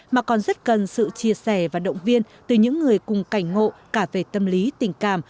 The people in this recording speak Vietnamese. mà còn rất cần sự chia sẻ và động viên từ những người cùng cảnh ngộ cả về tâm lý tình cảm